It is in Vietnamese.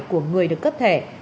của người được cấp thẻ